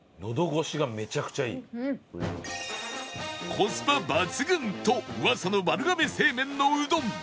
コスパ抜群と噂の丸亀製麺のうどん